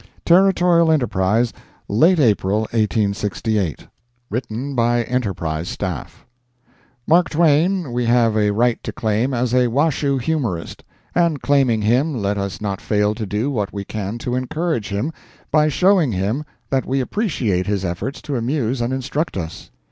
Territorial Enterprise, late April 1868 [written by Enterprise Staff] Mark Twain we have a right to claim as a Washoe humorist, and claiming him let us not fail to do what we can to encourage him by showing him that we appreciate his efforts to amuse and instruct us.